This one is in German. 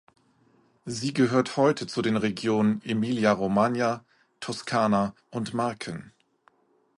Sie gehört heute zu den Regionen Emilia-Romagna, Toskana und Marken.